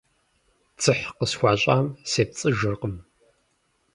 Дзыхь къысхуащӀам сепцӀыжыркъым.